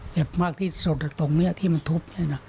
เจ็บมากที่สุดแต่ตรงนี้ที่มันทุบ